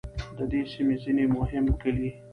د دې سیمې ځینې مهم کلي